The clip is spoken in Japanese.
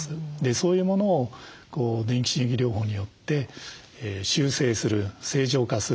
そういうものを電気刺激療法によって修正する正常化する。